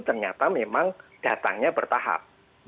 ternyata memang datangnya bertahap